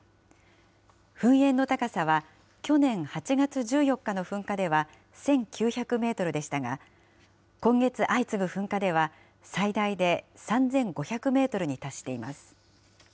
噴煙の高さは、去年８月１４日の噴火では１９００メートルでしたが、今月相次ぐ噴火では、最大で３５００メートルに達しています。